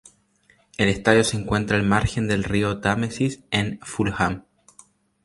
El estadio se encuentra al margen del río Támesis en Fulham.